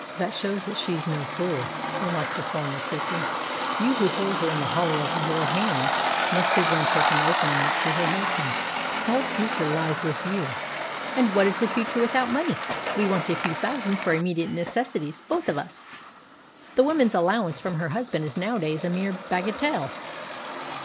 "That shows that she's no fool," remarked the foreigner quickly. "You who hold her in the hollow of your hand must prevent her from opening up to her husband. The whole future lies with you." "And what is the future without money? We want a few thousands for immediate necessities, both of us. The woman's allowance from her husband is nowadays a mere bagatelle."